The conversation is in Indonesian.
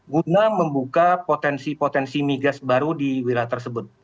guna membuka potensi potensi migas baru di wilayah tersebut